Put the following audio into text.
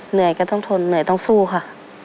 เหนื่อยก็ต้องทนเหนื่อยต้องสู้ค่ะ